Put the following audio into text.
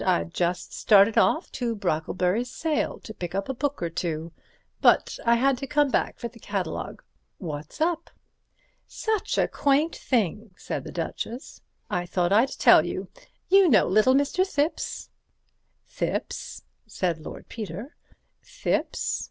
I'd just started off to Brocklebury's sale to pick up a book or two, but I had to come back for the catalogue. What's up?" "Such a quaint thing," said the Duchess. "I thought I'd tell you. You know little Mr. Thipps?" "Thipps?" said Lord Peter. "Thipps?